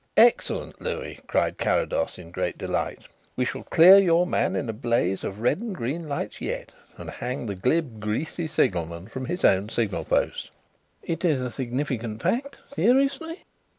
"Excellent, Louis," cried Carrados in great delight. "We shall clear your man in a blaze of red and green lights yet and hang the glib, 'greasy' signalman from his own signal post." "It is a significant fact, seriously?"